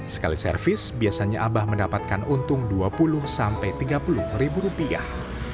sekali servis biasanya abah mendapatkan untung dua puluh sampai tiga puluh ribu rupiah